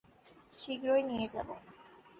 শীঘ্রই নিয়ে যাব।